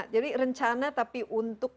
jadi rencana tapi untuk